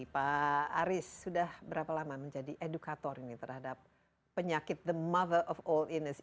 pak aris sudah berapa lama menjadi edukator ini terhadap penyakit the move of all inness